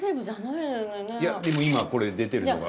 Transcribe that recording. でも今これ出てるのが。